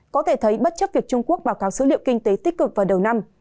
có thể thấy bất chấp việc trung quốc báo cáo số liệu kinh tế tích cực vào đầu năm